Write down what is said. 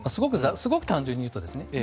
すごく単純に言うとですね。